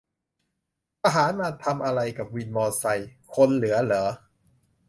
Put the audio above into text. ทหารมาทำไรกับวินมอไซ ? คนเหลือหรอ